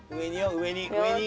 上によ上に。